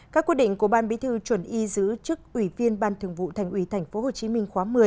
các quyết định của ban bí thư chuẩn y giữ chức ủy viên ban thường vụ thành ủy tp hcm khóa một mươi